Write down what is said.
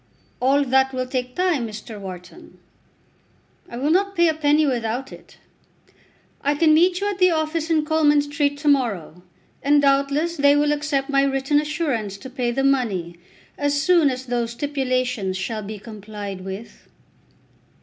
"All that will take time, Mr. Wharton." "I will not pay a penny without it. I can meet you at the office in Coleman Street to morrow, and doubtless they will accept my written assurance to pay the money as soon as those stipulations shall be complied with."